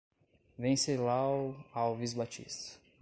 Wencelau Alves Batista